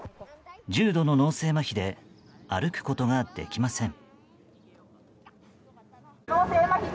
重度の脳性まひで歩くことができません。